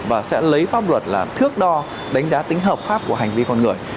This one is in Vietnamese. và sẽ lấy pháp luật làm thước đo đánh giá tính hợp pháp của hành vi con người